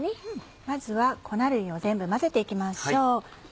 まずは粉類を全部混ぜて行きましょう。